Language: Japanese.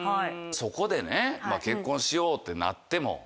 そこでね結婚しようってなっても。